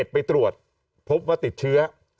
ไปตรวจพบว่าติดเชื้อ